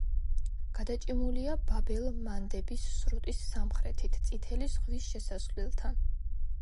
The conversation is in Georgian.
გადაჭიმულია ბაბ-ელ-მანდების სრუტის სამხრეთით, წითელი ზღვის შესასვლელთან.